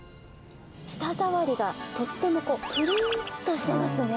舌触りがとってもぷるんとしてますね。